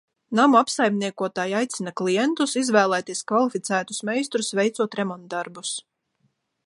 Namu apsaimniekotāji aicina klientus izvēlēties kvalificētus meistarus veicot remontdarbus.